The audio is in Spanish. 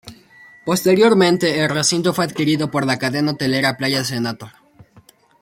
Posteriormente, el recinto fue adquirido por la cadena hotelera Playa Senator.